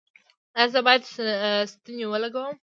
ایا زه باید ستنې ولګوم؟